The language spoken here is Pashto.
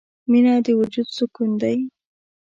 • مینه د وجود سکون دی.